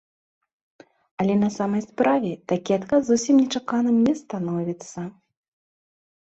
Але на самай справе такі адказ зусім нечаканым не становіцца.